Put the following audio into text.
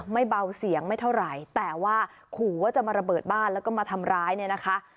ไม่เบาเสียงไม่เท่าไหร่แต่ว่าขู่ว่าจะมาระเบิดบ้านแล้วก็มาทำร้ายเนี่ยนะคะ